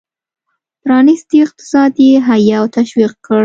پرانیستی اقتصاد یې حیه او تشویق کړ.